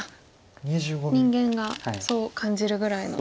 人間がそう感じるぐらいの。